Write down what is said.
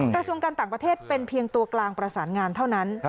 กระทรวงการต่างประเทศเป็นเพียงตัวกลางประสานงานเท่านั้น